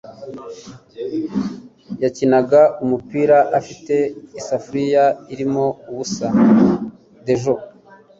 Yakinaga umupira afite isafuriya irimo ubusa. (Dejo)